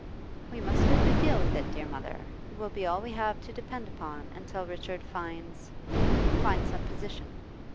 'We must do a good deal with it, dear mother. It will be all we have to depend upon until Richard finds finds some position.